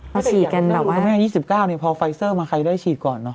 อย่างอย่างรึเปล่านะ๒๙ปีนี้พอไฟเซอร์มั้ยใครได้ฉีดก่อน